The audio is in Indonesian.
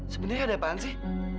sebenernya ada apaan sih